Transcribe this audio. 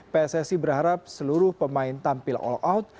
pssi berharap seluruh pemain tampil all out